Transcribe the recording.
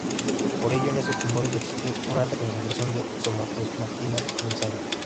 Por ello en estos tumores existe una alta concentración de somatostatina en sangre.